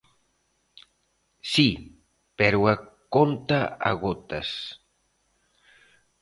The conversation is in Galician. Si, pero a conta a gotas.